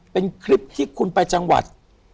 เป็นคลิปที่คุณไปจังหวัด